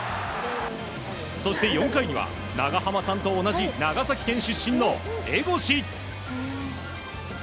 そして４回には長濱さんと同じ長崎県出身の江越。